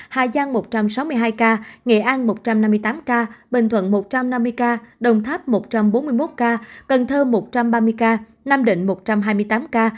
hà giang một trăm sáu mươi hai ca nghệ an một trăm năm mươi tám ca bình thuận một trăm năm mươi ca đồng tháp một trăm bốn mươi một ca cần thơ một trăm ba mươi ca nam định một trăm hai mươi tám ca